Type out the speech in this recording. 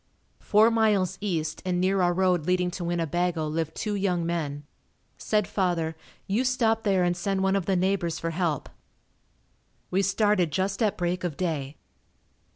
Four miles east and near our road leading to Winnebago lived two young men. Said father, "You stop there and send one of the neighbors for help." We started just at break of day.